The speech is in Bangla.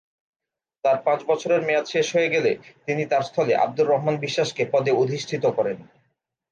তার পাঁচ বছরের মেয়াদ শেষ হয়ে গেলে তিনি তার স্থলে আব্দুর রহমান বিশ্বাসকে পদে অধিষ্ঠিত করেন।